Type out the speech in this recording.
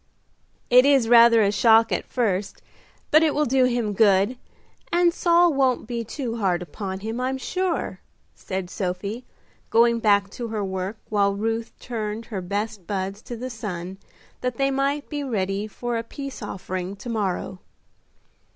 "It is rather a shock at first, but it will do him good, and Saul won't be too hard upon him, I'm sure," said Sophie, going back to her work, while Ruth turned her best buds to the sun that they might be ready for a peace offering to morrow.